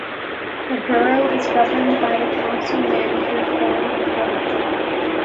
The borough is governed by the Council-Manager form of government.